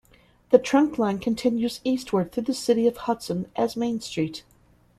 The trunkline continues eastward through the city of Hudson as Main Street.